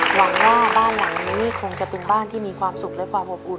หวังว่าบ้านหลังนี้คงจะเป็นบ้านที่มีความสุขและความอบอุ่น